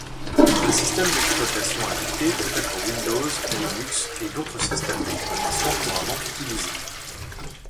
Un système d'exploitation invité peut être Windows, Linux, et d'autres systèmes d'exploitation couramment utilisés.